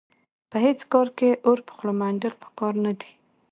په هېڅ کار کې اور په خوله منډل په کار نه دي.